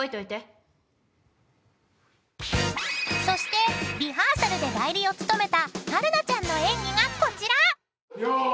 ［そしてリハーサルで代理を務めた春菜ちゃんの演技がこちら］